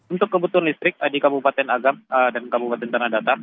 untuk kebutuhan listrik di kabupaten agam dan kabupaten tanah datar